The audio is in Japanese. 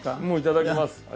もういただきます。